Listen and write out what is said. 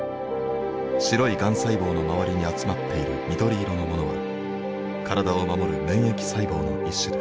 白いがん細胞の周りに集まっている緑色のものは体を守る免疫細胞の一種です。